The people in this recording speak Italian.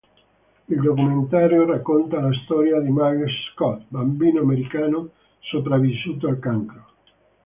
Il documentario racconta la storia di Miles Scott, bambino americano sopravvissuto al cancro.